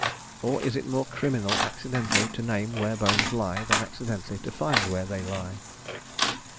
or is it more criminal accidentally to name where bones lie than accidentally to find where they lie?